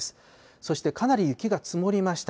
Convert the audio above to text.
そしてかなり雪が積もりました。